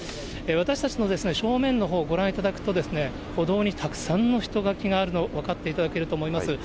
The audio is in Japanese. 私たちの正面のほう、ご覧いただくと、歩道にたくさんの人垣があるのを分かっていただけると思います。